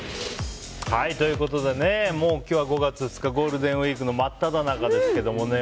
今日は５月２日ゴールデンウィークの真っただ中ですけどね